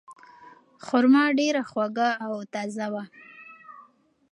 خورما ډیره خوږه او تازه وه.